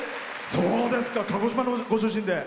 そうですか、鹿児島のご出身で。